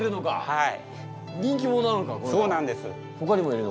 はい。